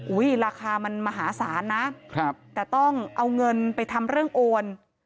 ราคามันมหาศาลนะครับแต่ต้องเอาเงินไปทำเรื่องโอน